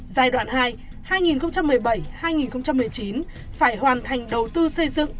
giai đoạn hai hai nghìn một mươi bảy hai nghìn một mươi chín phải hoàn thành đầu tư xây dựng